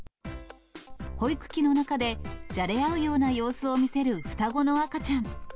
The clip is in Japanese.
保育器の中でじゃれ合うような様子を見せる双子の赤ちゃん。